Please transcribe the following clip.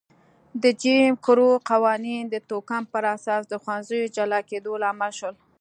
د جیم کرو قوانین د توکم پر اساس د ښوونځیو جلا کېدو لامل شول.